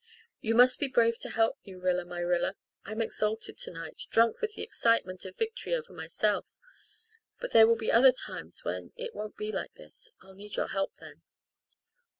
"You must be brave to help me, Rilla my Rilla. I'm exalted tonight drunk with the excitement of victory over myself but there will be other times when it won't be like this I'll need your help then."